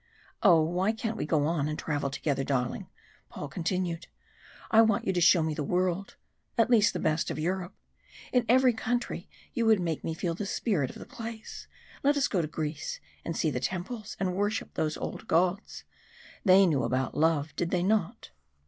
"Oh, why can't we go on and travel together, darling?" Paul continued. "I want you to show me the world at least the best of Europe. In every country you would make me feel the spirit of the place. Let us go to Greece, and see the temples and worship those old gods. They knew about love, did they not?"